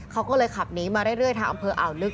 เขาก็เลยขับหนีมาเรื่อยทางอำเภออ่าวลึก